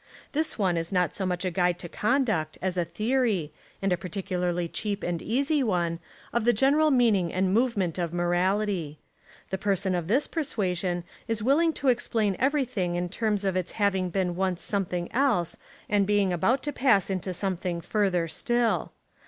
This one Is not so much a guide to conduct as a theory, and a particularly cheap and easy one, of a general meaning and movement of morality. The person of this persuasion is willing to explain everything In 54 The Devil and the Deep Sea terms of its having been once something else and being about to pass into something further still.